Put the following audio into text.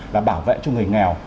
và bảo vệ cho người nghèo